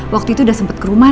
waktu itu udah sempat ke rumah